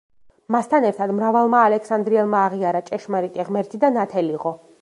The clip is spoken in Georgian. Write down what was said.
მასთან ერთად მრავალმა ალექსანდრიელმა აღიარა ჭეშმარიტი ღმერთი და ნათელიღო.